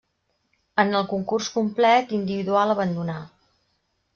En el concurs complet individual abandonà.